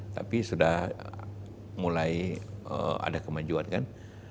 tapi sudah mulai ada kemajuan kan